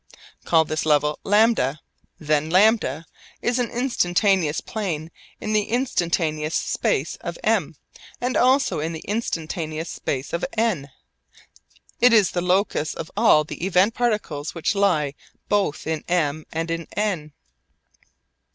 Call this level λ. Then λ is an instantaneous plane in the instantaneous space of M and also in the instantaneous space of N. It is the locus of all the event particles which lie both in M and in N.